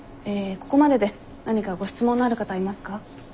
ここまでで何かご質問のある方はいますか？